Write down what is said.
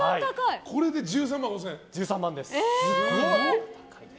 これで１３万５０００円。